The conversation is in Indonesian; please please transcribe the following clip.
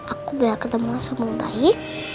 aku biar ketemu sama om baik